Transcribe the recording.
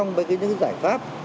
xong xong với những cái giải pháp